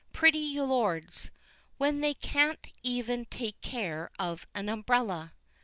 pretty lords, when they can't even take care of an umbrella.